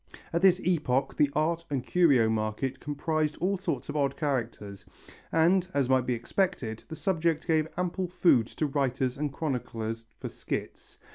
At this epoch the art and curio market comprised all sorts of odd characters and, as might be expected, the subject gave ample food to writers and chroniclers for skits.